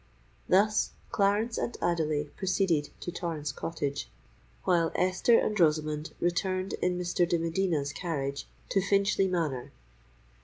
Thus, Clarence and Adelais proceeded to Torrens Cottage, while Esther and Rosamond returned in Mr. de Medina's carriage to Finchley Manor.